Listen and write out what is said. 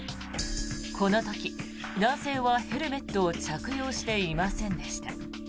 この時、男性はヘルメットを着用していませんでした。